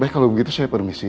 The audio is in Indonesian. tapi kalau begitu saya permisi